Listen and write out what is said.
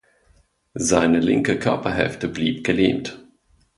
Seine linke Körperhälfte blieb gelähmt.